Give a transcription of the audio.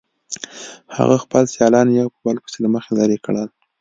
هغه خپل سیالان یو په بل پسې له مخې لرې کړل